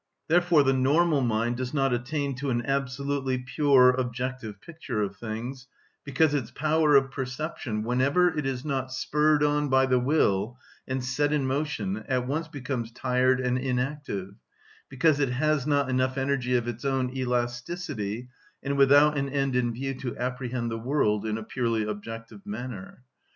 Therefore the normal mind does not attain to an absolutely pure, objective picture of things, because its power of perception, whenever it is not spurred on by the will and set in motion, at once becomes tired and inactive, because it has not enough energy of its own elasticity and without an end in view to apprehend the world in a purely objective manner.